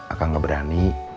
akang gak berani